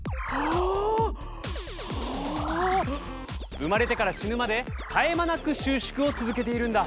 生まれてから死ぬまで絶え間なく収縮を続けているんだ。